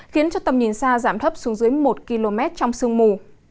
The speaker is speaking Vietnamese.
khiến cho tầm nhìn xa giảm thấp xuống dưới một km trong sương mù